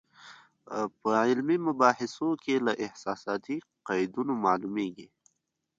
په علمي مباحثو کې له احساساتي قیدونو معلومېږي.